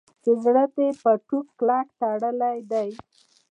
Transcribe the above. چې زړه دې په ټوک کلک تړلی دی.